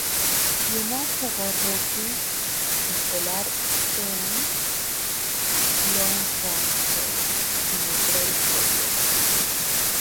Pienaar jugó rugby escolar en Bloemfontein, en el Grey College.